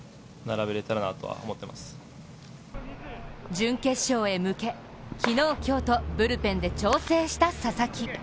準決勝へ向け、昨日、今日とブルペンで調整した佐々木。